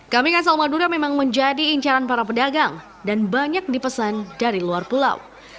kambing asal madura memang menjadi incaran para pedagang dan banyak dipesan dari luar pulau